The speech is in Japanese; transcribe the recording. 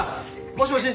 もしもし？